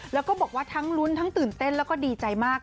แล้วก็บอกว่าทั้งลุ้นทั้งตื่นเต้นแล้วก็ดีใจมาก